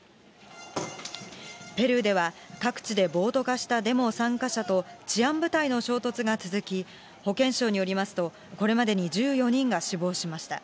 ペルーでは、各地で暴徒化したデモ参加者と、治安部隊の衝突が続き、保健省によりますと、これまでに１４人が死亡しました。